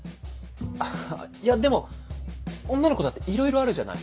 いやでも女の子だっていろいろあるじゃない。